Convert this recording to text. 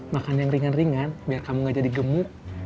makan yang ringan ringan biar kamu gak jadi gemuk